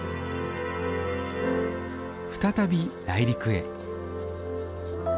再び内陸へ。